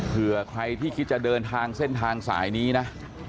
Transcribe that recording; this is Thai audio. เผื่อใครที่คิดจะเดินทางเส้นทางสายนี้นะ